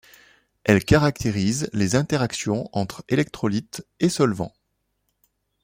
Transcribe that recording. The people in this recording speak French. Elles caractérisent les interactions entre électrolytes et solvant.